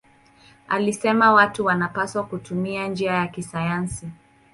Alisema watu wanapaswa kutumia njia ya kisayansi.